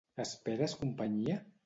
Esperes companyia?